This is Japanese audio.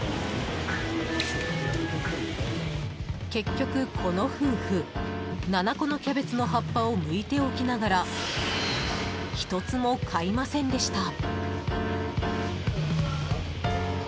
結局、この夫婦７個のキャベツの葉っぱをむいておきながら１つも買いませんでした。